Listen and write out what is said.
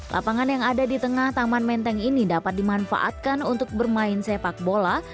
lapangan yang ada di tengah taman menteng ini dapat dimanfaatkan untuk bermain sepak bola